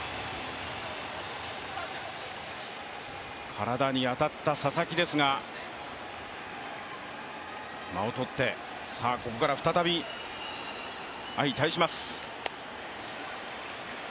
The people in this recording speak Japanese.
体に当たった佐々木ですが、間をとって、ここから再び相対します。